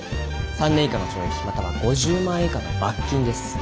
３年以下の懲役または５０万円以下の罰金です。